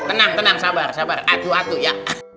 tenang tenang sabar sabar aduh aduh ya